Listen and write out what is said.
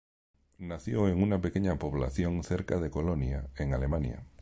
Nació en una pequeña población cerca de Colonia, en Alemania.